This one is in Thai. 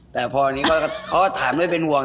แต่พอนี้เขาก็ถามด้วยเป็นห่วง